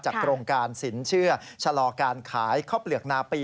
โครงการสินเชื่อชะลอการขายข้าวเปลือกนาปี